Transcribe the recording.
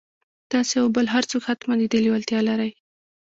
تاسې او بل هر څوک حتماً د دې لېوالتيا لرئ.